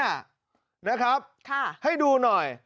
ไม้เพราะหยัดนะครับนะครับให้ดูหน่อย